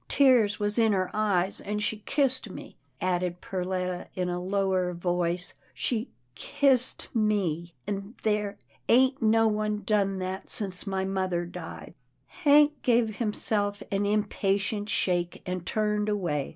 Tears was in her eyes, an' she kissed me," added Perletta in a lower voice, " she — kissed — me — an' there ain't no one done that, sence my mother died." Hank gave himself an impatient shake, and turned away.